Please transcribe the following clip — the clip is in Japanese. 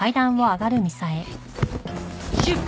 出発